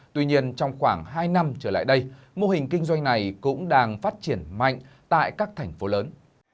tuy nhiên trong khoảng hai năm trở lại đây mô hình kinh doanh này cũng đang phát triển mạnh tại các thành phố lớn